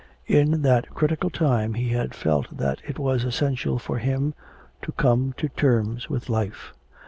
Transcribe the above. In that critical time he had felt that it was essential for him 'to come to terms with life.'